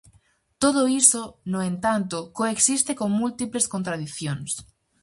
Todo iso, no entanto, coexiste con múltiples contradicións.